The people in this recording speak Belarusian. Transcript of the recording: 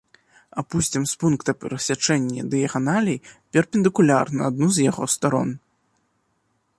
Апусцім з пункта перасячэння дыяганалей перпендыкуляр на адну з яго старон.